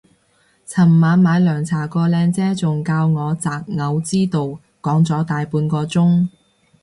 尋晚買涼茶個靚姐仲教我擇偶之道講咗大半個鐘